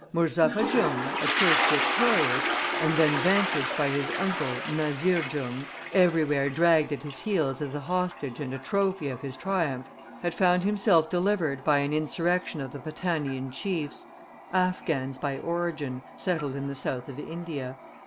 Murzapha Jung, at first victorious, and then vanquished by his uncle Nazir Jung, everywhere dragged at his heels as a hostage and a trophy of his triumph, had found himself delivered by an insurrection of the Patanian chiefs, Affghans by origin, settled in the south of India.